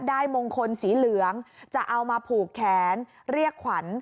มงคลสีเหลืองจะเอามาผูกแขนเรียกขวัญ